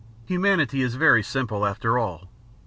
Humanity is very simple, after all.